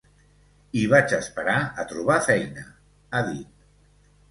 I vaig esperar a trobar feina…, ha dit.